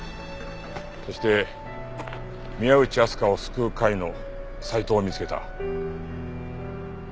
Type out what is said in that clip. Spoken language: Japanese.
そして宮内あすかを救う会のサイトを見つけた。